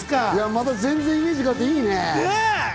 また全然イメージ変わっていいね。